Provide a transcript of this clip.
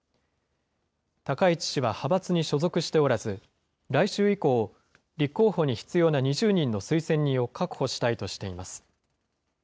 高市氏は派閥に所属しておらず、来週以降、立候補に必要な２０人の推薦人を確保したいとしています。